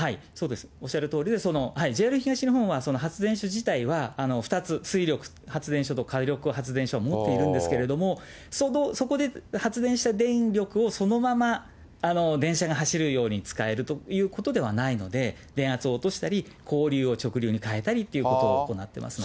おっしゃるとおりで、ＪＲ東日本は発電所自体は２つ、水力発電所と火力発電所を持っているんですけれども、そこで発電した電力をそのまま電車が走るように使えるということではないので、電圧を落としたり、交流を直流に変えたりということを行ってますんで。